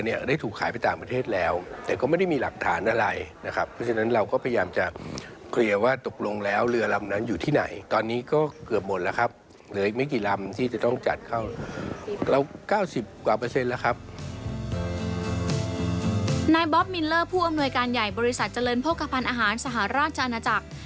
บอบมิลเลอร์ผู้อำนวยการใหญ่บริษัทเจริญโภคภัณฑ์อาหารสหราชอาณาจักร